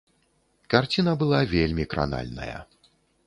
Карціна была вельмі кранальная.